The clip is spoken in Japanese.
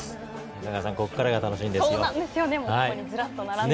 中川さん、ここからが楽しみですね。